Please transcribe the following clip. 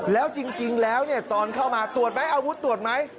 แล้วจริงแล้วตอนเข้ามาตรวจไหมอาวุธตรวจไหม